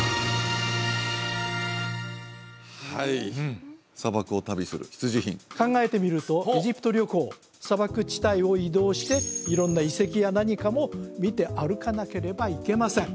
はい砂漠を旅する必需品考えてみるとエジプト旅行砂漠地帯を移動して色んな遺跡や何かも見て歩かなければいけません